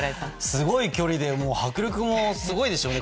すごい距離で迫力もすごいでしょうね。